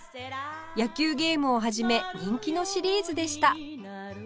野球ゲームを始め人気のシリーズでした